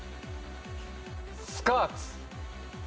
スカーツ。